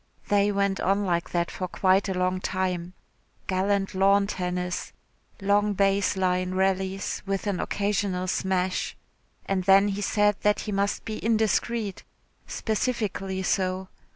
They went on like that for quite a long time gallant lawn tennis long base line rallies with an occasional smash. And then he said that he must be indiscreet specifically so.